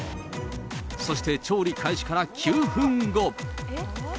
そして調理開始から９分後。